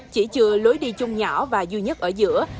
chỉ chưa lối đi chung nhỏ và duy nhất ở giữa